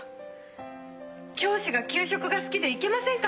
教師が給食が好きでいけませんか？